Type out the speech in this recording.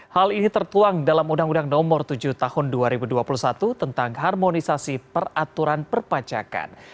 hal ini tertuang dalam undang undang nomor tujuh tahun dua ribu dua puluh satu tentang harmonisasi peraturan perpajakan